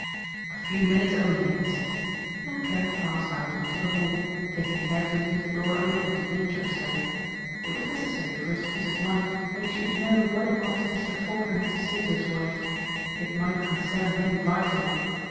"A few minutes only," he said and Trent passed out into the hall taking care to leave the door opened an inch or so. It was necessary for his peace of mind that he should know what it was Mr. Faulkner had to say to his wife. It might concern him vitally.